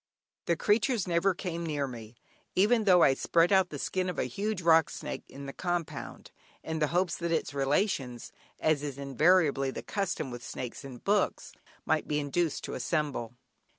The creatures never came near me, even though I spread out the skin of a huge rock snake in the compound, in the hopes that its relations (as is invariably the custom with snakes in books) might be induced to assemble.